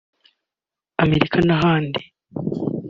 Amerika n’ahandi